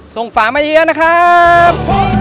ส่งฝามาเยือนนะครับ